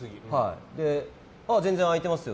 全然あいてますよ